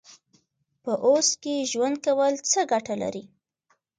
په اوس کې ژوند کول څه ګټه لري؟